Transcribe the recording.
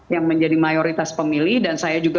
yang menjadi mayoritas pemilih dan saya juga